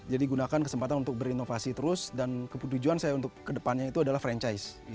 jadi gunakan kesempatan untuk berinovasi terus dan tujuan saya untuk kedepannya itu adalah franchise